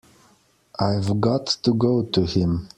I've got to go to him.